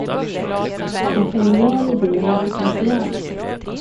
En genial idé med potential.